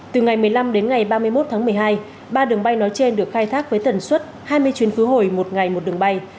từ ngày một mươi năm đến ngày ba mươi một tháng một mươi hai ba đường bay nói trên được khai thác với tần suất hai mươi chuyến khứ hồi một ngày một đường bay